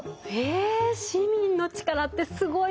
え市民の力ってすごいですね！